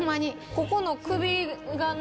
ここの首がな